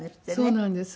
そうなんです。